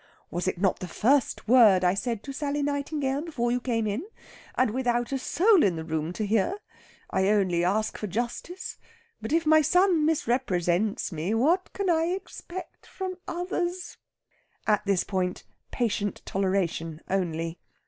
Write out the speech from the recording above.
Was it not the first word I said to Sally Nightingale before you came in, and without a soul in the room to hear? I only ask for justice. But if my son misrepresents me, what can I expect from others?" At this point patient toleration only.